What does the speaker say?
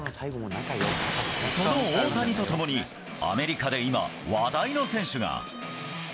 その大谷と共に、アメリカで今、話題の選手が。